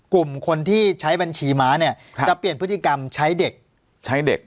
กลุ่มคนที่ใช้บัญชีม้าเนี่ยจะเปลี่ยนพฤติกรรมใช้เด็กใช้เด็ก